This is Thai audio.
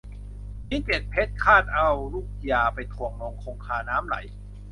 ชิ้นเจ็ดเพชรฆาฎเอาลูกยา ไปถ่วงลงคงคาน้ำไหล